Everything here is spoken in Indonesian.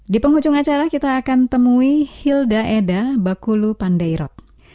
di penghujung acara kita akan temui hilda eda bakulu pandairot